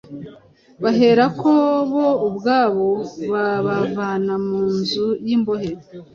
Baherako bo ubwabo babavana mu nzu y’imbohe,